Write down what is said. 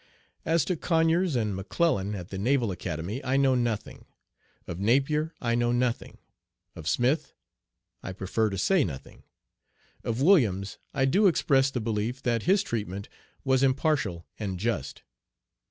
As to Conyers and McClellan at the Naval Academy I know nothing. Of Napier I know nothing. Of Smith I prefer to say nothing. Of Williams I do express the belief that his treatment was impartial and just.